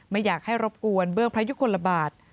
ไม่อยากให้รบกวนเบื้องพระยุคลบาท